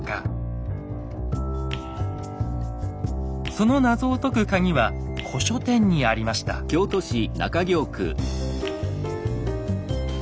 その謎を解くカギは古書店にありました。